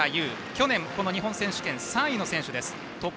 去年、日本選手権３位の選手です。